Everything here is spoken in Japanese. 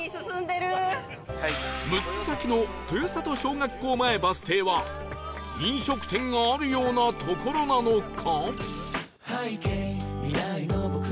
６つ先の豊郷小学校前バス停は飲食店があるような所なのか？